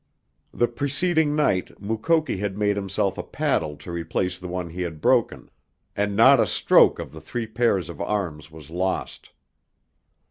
The preceding night Mukoki had made himself a paddle to replace the one he had broken, and not a stroke of the three pairs of arms was lost.